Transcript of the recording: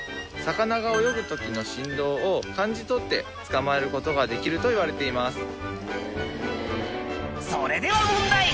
魚が泳ぐ時の振動を感じ取って捕まえることができるといわれています。